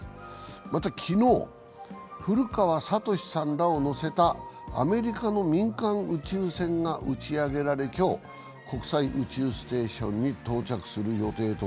また昨日、古川聡さんらを乗せたアメリカの民間宇宙船が打ち上げられ、今日、国際宇宙ステーションに到着する予定と。